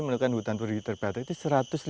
menurutkan hutan purwit terbatas